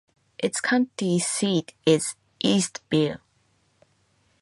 Its county seat is Eastville.